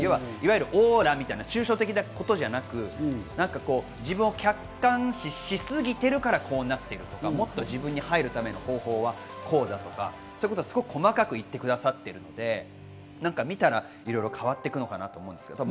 オーラみたいな抽象的なことじゃなく、自分を客観視しすぎてるからこうなっているとかもっと自分に入るための方法はこうだとか、すごく細かく言ってくださっているので、見たらいろいろ変わっていくのかなと思います。